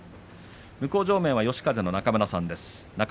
向正面は嘉風の中村さんです。